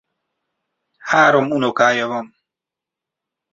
Három unokája van.